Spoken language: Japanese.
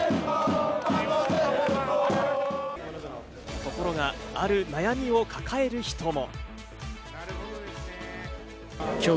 ところが、ある悩みを抱える人も。